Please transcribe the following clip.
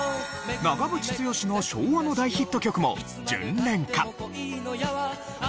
長渕剛の昭和の大ヒット曲も『巡恋歌』。